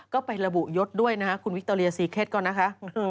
ก็ไประบุยศด้วยนะคะคุณวิคโตเลียซีเคสก่อนนะคะ